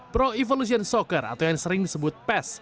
pro evolution soccer atau yang sering disebut pes